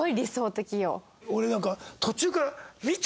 俺なんか途中から。